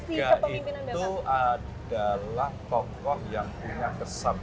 bumega itu adalah tokoh yang punya kesabaran